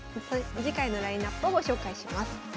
次回のラインナップをご紹介します。